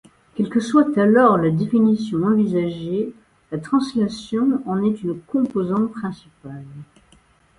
Quelle que soit alors la définition envisagée, la translation en est une composante principale.